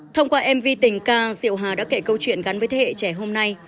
thông qua mv tình ca diệu hà đã kể câu chuyện gắn với thế hệ trẻ hôm nay